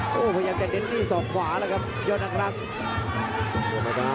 พยายามจะเด้นที่สองขวาแล้วก็ยอดอังรัง